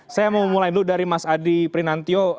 saya mau mulai dulu dari mas adi prinantio